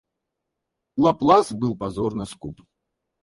Лаплас был позорно скуп.